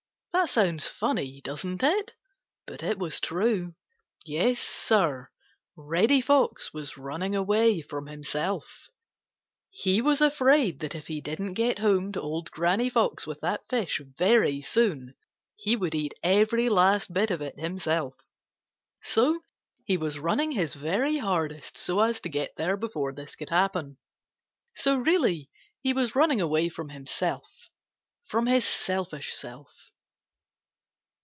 That sounds funny, doesn't it? But it was true. Yes, Sir, Reddy Fox was running away from himself. He was afraid that if he didn't get home to Old Granny Fox with that fish very soon, he would eat every last bit of it himself. So he was running his very hardest so as to get there before this could happen. So really he was running away from himself, from his selfish self.